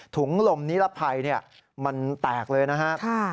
ถุงลมนิรภัยมันแตกเลยนะครับ